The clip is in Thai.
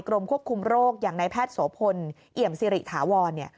กรมควบคุมโรคอย่างในแพทย์โสพลเอี่ยมสิริถาวร